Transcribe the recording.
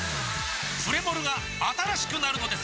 プレモルが新しくなるのです！